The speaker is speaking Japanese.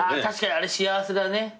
確かにあれ幸せだね。